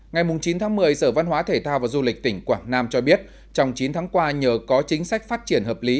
ngày chín tháng một mươi sở văn hóa thể thao và du lịch tỉnh quảng nam cho biết trong chín tháng qua nhờ có chính sách phát triển hợp lý